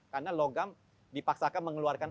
karena logam dipaksakan mengeluarkan